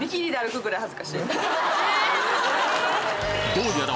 どうやら